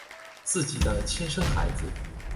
自己的亲生孩子